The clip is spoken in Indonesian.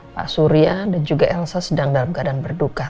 pak surya dan juga elsa sedang dalam keadaan berduka